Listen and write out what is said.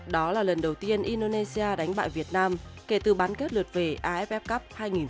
đó là lần đầu tiên indonesia đánh bại việt nam kể từ bán kết lượt về aff cup hai nghìn một mươi tám